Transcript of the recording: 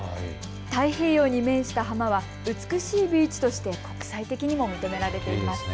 太平洋に面した浜は美しいビーチとして国際的にも認められています。